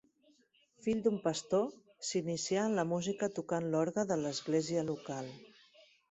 Fill d'un pastor, s'inicià en la música tocant l'orgue de l'església local.